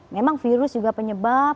memang virus juga penyebab